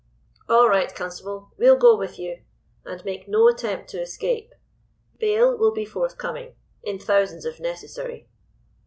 "All right, constable, we'll go with you, and make no attempt to escape. Bail will be forthcoming—in thousands, if necessary."